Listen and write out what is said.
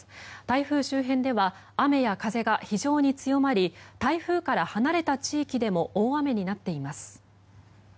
台風周辺では雨や風が非常に強まり台風から離れた地域でも大雨になっています。